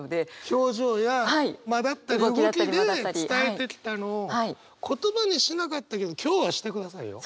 表情や間だったり動きで伝えてきたのを言葉にしなかったけど今日はしてくださいよ。